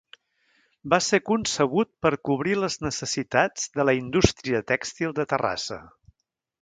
Va ser concebut per cobrir les necessitats de la indústria tèxtil de Terrassa.